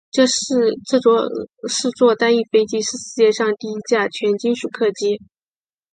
这种四座单翼飞机是世界上第一架全金属客机。